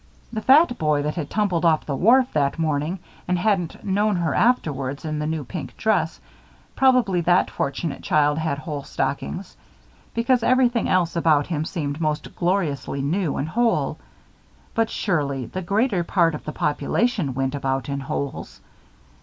The fat boy that had tumbled off the wharf that morning and hadn't known her afterwards in the new pink dress, probably that fortunate child had whole stockings, because everything else about him seemed most gloriously new and whole; but surely, the greater part of the population went about in holes.